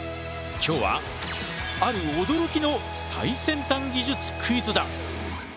今日はある驚きの最先端技術クイズだ！